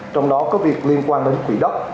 trong đó có việc liên quan đến quỷ đốc